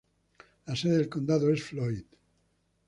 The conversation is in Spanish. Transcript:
La sede del condado es Floyd.